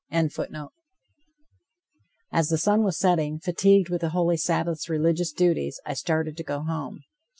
] As the sun was setting, fatigued with the holy Sabbath's religious duties, I started to go home.